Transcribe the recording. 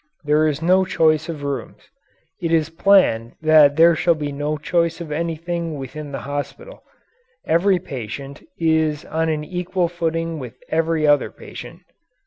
There is no choice of rooms. It is planned that there shall be no choice of anything within the hospital. Every patient is on an equal footing with every other patient.